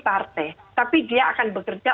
partai tapi dia akan bekerja